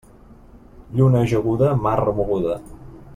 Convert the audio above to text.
Lluna ajaguda, mar remoguda.